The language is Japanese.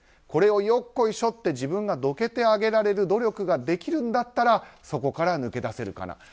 これを、よっこいしょって自分がどけてあげられる努力ができるんだったらそこから抜け出せるかな。